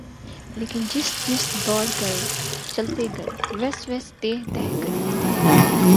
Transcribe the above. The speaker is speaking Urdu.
لیکن جیس جیس دوڑ گ ، چلتے گ ویس ویس ت دھ گئی